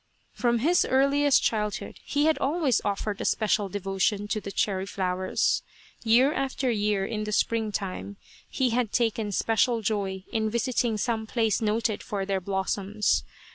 From his earliest childhood he had always offered a special devotion to the cherry flowers. Year after year, in the springtime, he had taken special joy in visiting some place noted for their blossoms.